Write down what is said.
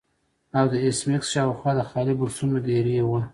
او د ایس میکس شاوخوا د خالي بکسونو ډیرۍ وه